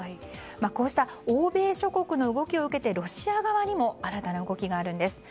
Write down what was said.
こうした欧米諸国の動きを受けてロシア側にも新たな動きがあるんです。